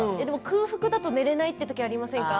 空腹だと寝れないって時ありませんか？